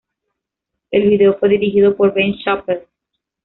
El vídeo fue dirigido por Ben Chappell.